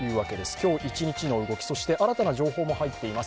今日一日の動き、そして新たな情報も入っています。